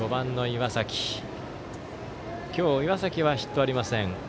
今日、岩崎はヒットはありません。